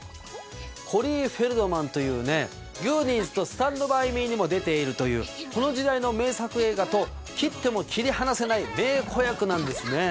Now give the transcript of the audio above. コリー・フェルドマンという『グーニーズ』と『スタンド・バイ・ミー』にも出ているというこの時代の名作映画と切っても切り離せない名子役なんですね。